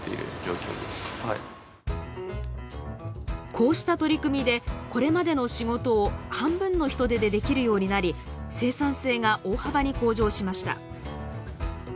こうした取り組みでこれまでの仕事を半分の人手でできるようになり生産性が大幅に向上しました。